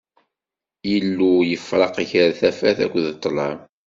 Illu yefṛeq gar tafat akked ṭṭlam.